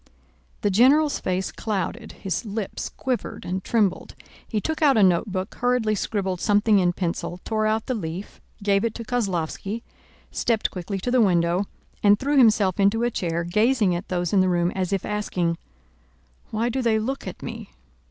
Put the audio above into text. The general's face clouded, his lips quivered and trembled. He took out a notebook, hurriedly scribbled something in pencil, tore out the leaf, gave it to Kozlóvski, stepped quickly to the window, and threw himself into a chair, gazing at those in the room as if asking, "Why do they look at me?"